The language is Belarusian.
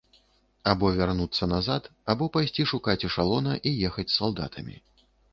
Або вярнуцца назад, або пайсці шукаць эшалона і ехаць з салдатамі.